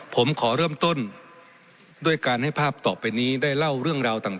ผมขอเริ่มต้นด้วยการให้ภาพต่อไปนี้ได้เล่าเรื่องราวต่าง